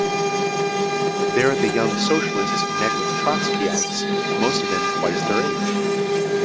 There the young socialists met with Trotskyites, most of them twice their age.